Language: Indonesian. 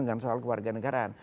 dengan soal keluarga negara